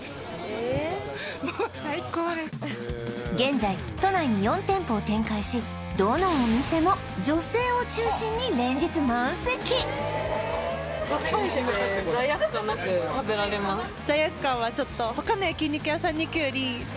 現在都内に４店舗を展開しどのお店も女性を中心に連日満席と言うがどういうことなのか？